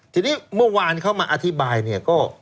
ทีนี้เมื่อวานเขามาอธิบายเนี่ยก็